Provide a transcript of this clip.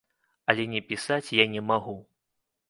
Але не пісаць я не магу.